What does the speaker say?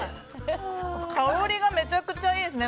香りがめちゃくちゃいいですね。